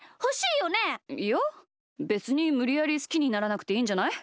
いやべつにむりやりすきにならなくていいんじゃない？